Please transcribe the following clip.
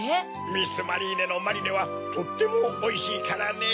ミス・マリーネのマリネはとってもおいしいからねぇ。